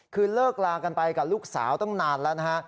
คือเลิกลากันไปกับลูกสาวตั้งนานแล้วนะฮะ